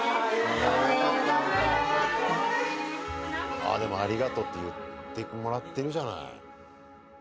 ああ、でも「ありがとう」って言ってもらってるじゃない。